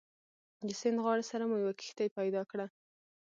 د سیند غاړې سره مو یوه کښتۍ پیدا کړه.